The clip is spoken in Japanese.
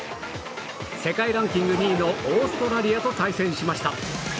世界ランキング２位のオーストラリアと対戦しました。